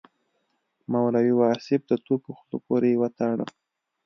مولوي واصف د توپ په خوله پورې وتاړه.